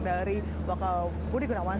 dari wakapolri budi gunawan